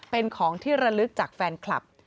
เป็นของที่ระลึกจากแฟนคลับ